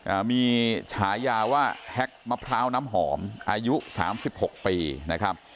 อ่ามีฉายาว่าแฮ็กมะพร้าวน้ำหอมอายุสามสิบหกปีนะครับ